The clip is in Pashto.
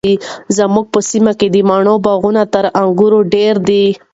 زموږ په سیمه کې د مڼو باغونه تر انګورو ډیر دي.